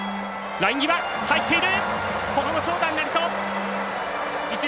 ライン際、入っている！